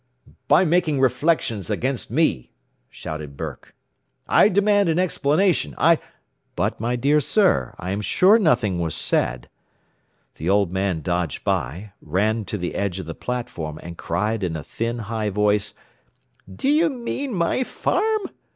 "By making reflections against me," shouted Burke. "I demand an explanation! I " "But my dear sir, I am sure nothing was said " The old man dodged by, ran to the edge of the platform, and cried in a thin, high voice, "Do you mean my farm?